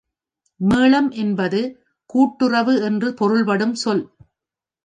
மேளம் என்பது கூட்டுறவு என்று பொருள்படும் சொல்.